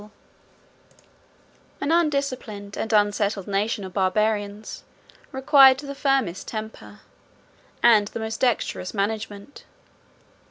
] An undisciplined and unsettled nation of Barbarians required the firmest temper, and the most dexterous management.